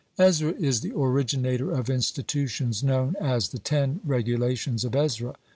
(45) Ezra is the originator of institutions known as "the ten regulations of Ezra."